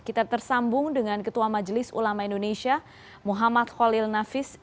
kita tersambung dengan ketua majelis ulama indonesia muhammad khalil nafis